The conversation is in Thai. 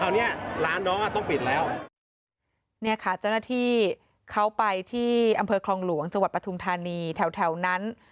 นี่ค่ะเจ้าหน้าที่เข้าไปที่อำเภอคลองหลวงจังหวัดปทุมธานีแถวนั้น